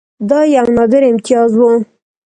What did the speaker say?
دا یو نادر امتیاز وو.